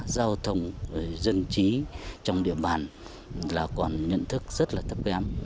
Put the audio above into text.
giao thông dân trí trong địa bàn là còn nhận thức rất là thấp kém